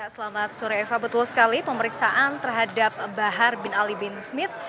selamat sore eva betul sekali pemeriksaan terhadap bahar bin ali bin smith